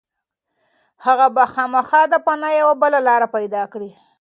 هغه به خامخا د پناه یوه بله لاره پيدا کړي.